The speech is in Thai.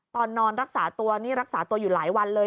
ตอนนอนรักษาตัวนี่รักษาตัวอยู่หลายวันเลย